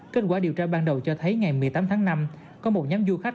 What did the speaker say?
kết quả điều tra ban đầu cho thấy ngày một mươi tám tháng năm có một nhóm du khách